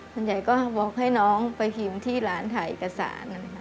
ส่วนใหญ่ก็บอกให้น้องไปพิมพ์ที่ร้านถ่ายเอกสาร